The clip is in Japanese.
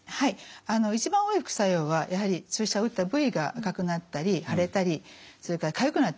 一番多い副作用はやはり注射を打った部位が赤くなったり腫れたりそれからかゆくなったりする。